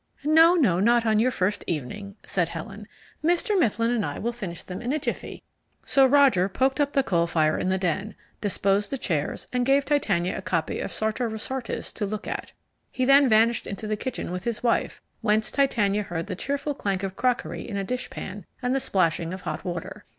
"No, no, not on your first evening," said Helen. "Mr. Mifflin and I will finish them in a jiffy." So Roger poked up the coal fire in the den, disposed the chairs, and gave Titania a copy of Sartor Resartus to look at. He then vanished into the kitchen with his wife, whence Titania heard the cheerful clank of crockery in a dishpan and the splashing of hot water.